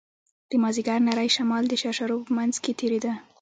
د مازديګر نرى شمال د شرشرو په منځ کښې تېرېده.